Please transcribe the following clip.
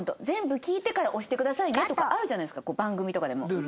全部聴いてから押してくださいねとかあるじゃないですか番組とかでも。